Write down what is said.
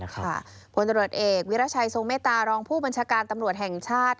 ผลตรวจเอกวิรัชัยทรงเมตตารองผู้บัญชาการตำรวจแห่งชาติ